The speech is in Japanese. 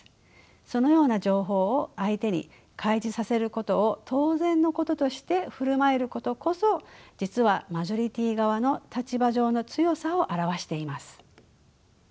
そのような情報を相手に開示させることを当然のこととして振る舞えることこそ実はマジョリティー側の立場上の強さを表しています。